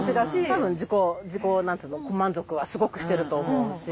多分自己満足はすごくしてると思うし。